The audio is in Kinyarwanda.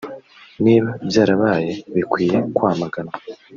“Niba byarabaye bikwiye kwamaganwa”